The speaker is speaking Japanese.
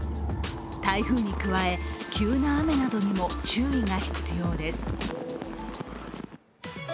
台風に加え、急な雨などにも注意が必要です。